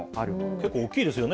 結構大きいですよね。